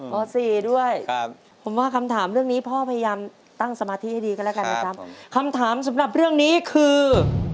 ๔ด้วยผมว่าคำถามเรื่องนี้พ่อพยายามตั้งสมาธิให้ดีก็แล้วกันนะครับคำถามสำหรับเรื่องนี้คือ